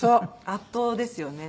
圧倒ですよね。